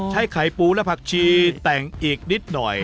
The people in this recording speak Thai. ใช้ไข่ปูและผักชีแต่งอีกนิดหน่อย